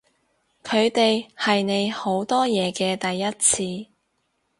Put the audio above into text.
佢哋係你好多嘢嘅第一次